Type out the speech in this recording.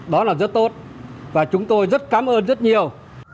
đó là rất tốt và chúng tôi rất cảm ơn rất nhiều